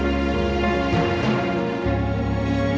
ini adalah kebenaran kita